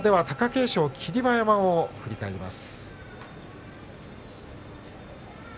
貴景勝、霧馬山を振り返ります。